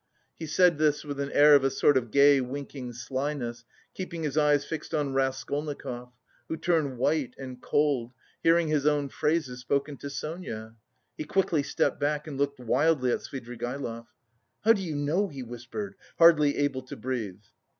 He said this with an air of a sort of gay winking slyness, keeping his eyes fixed on Raskolnikov, who turned white and cold, hearing his own phrases, spoken to Sonia. He quickly stepped back and looked wildly at Svidrigaïlov. "How do you know?" he whispered, hardly able to breathe.